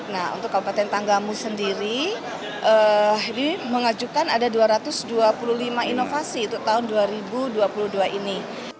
nah untuk kabupaten tanggamu sendiri mengajukan ada dua ratus dua puluh lima inovasi untuk tahun dua ribu dua puluh dua ini